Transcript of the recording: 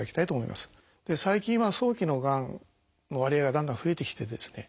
最近は早期のがんの割合がだんだん増えてきてですね